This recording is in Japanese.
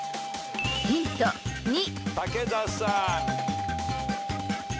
武田さん。